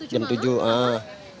jam tujuh malam